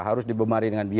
harus dibebari dengan biaya